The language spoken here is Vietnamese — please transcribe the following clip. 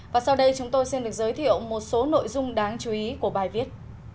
và sau đây chúng tôi xin được giới thiệu một số nội dung đáng chú ý của bài viết